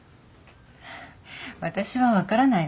私は分からないわ。